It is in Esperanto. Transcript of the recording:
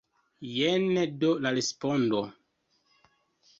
Jen do la respondo.